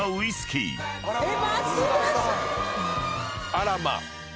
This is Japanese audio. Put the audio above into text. あらまっ！